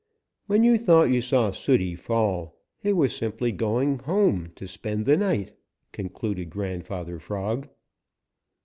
When you thought you saw Sooty fall, he was simply going home to spend the night," concluded Grandfather Frog.